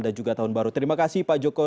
dan juga tahun baru terima kasih pak joko